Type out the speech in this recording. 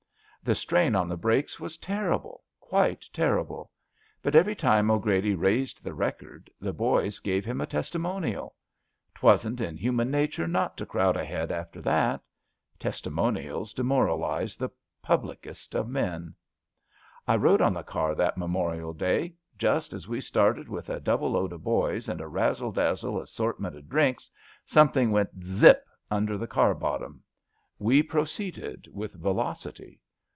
The strain on the brakes was terrible — quite terrible. But every time 'Grady raised the record, the boys gave him a testimonial. 'Twasn't in human nature not to crowd ahead after that. Testimonials demoralise the publickest of men. I rode on the car that memorial day. Just THE BOW FLUME CABLE CAE 191 as we started with a double load of boys and a razzle dazzle assortment of drinks, something went zip under the car 'bottom. We proceeded with velocity.